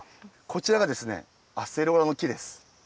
こちらがですねアセロラのきです。